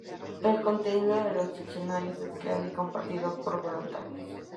El contenido de los diccionarios es creado y compartido por voluntarios.